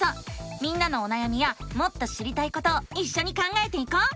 みんなのおなやみやもっと知りたいことをいっしょに考えていこう！